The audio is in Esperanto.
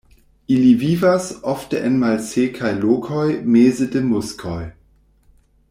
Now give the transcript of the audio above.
Ili vivas ofte en malsekaj lokoj meze de muskoj.